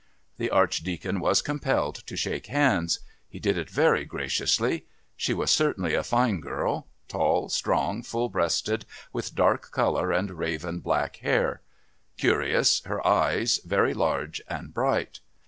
The Archdeacon was compelled to shake hands. He did it very graciously. She was certainly a fine girl tall, strong, full breasted, with dark colour and raven black hair; curious, her eyes, very large and bright.